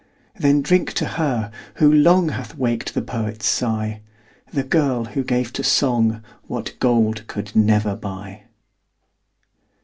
Then drink to her, who long Hath waked the poet's sigh, The girl, who gave to song What gold could never buy.